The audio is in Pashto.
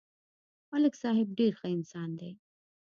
ملک صاحب ډېر ښه انسان دی